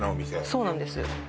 そうなんです